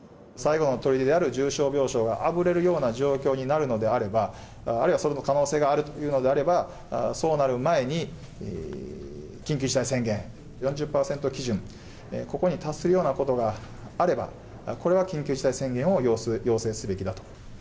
最後の砦である重症病床があふれるような状況になるのであれば、あるいはその可能性があるというのであれば、そうなる前に緊急事態宣言、４０％基準、ここに達するようなことがあれば、これは緊急事態宣言を要請すべきだと。